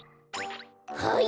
はい！